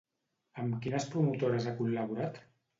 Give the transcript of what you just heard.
Amb quines promotores ha col·laborat?